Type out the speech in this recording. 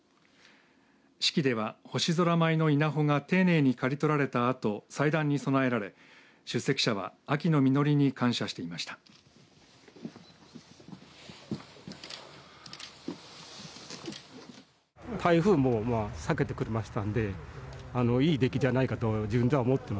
式では星空舞の稲穂が丁寧に刈り取られたあと祭壇に供えられ出席者は秋の実りに感謝していました。